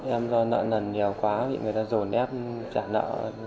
em do nợ nần nhiều quá bị người ta rổ nép trả nợ